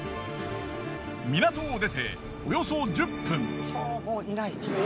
港を出ておよそ１０分。